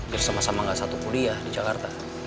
biar sama sama gak satu kuliah di jakarta